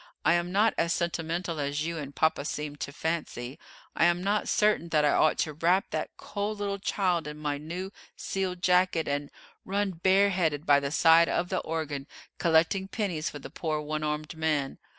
I am not as sentimental as you and papa seem to fancy. I am not certain that I ought to wrap that cold little child in my new seal jacket, and run bare headed by the side of the organ collecting pennies for the poor one armed man.